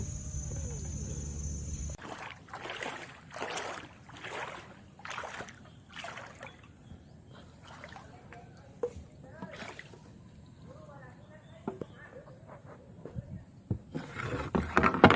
ทดสอบ